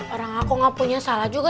orang aku gak punya salah juga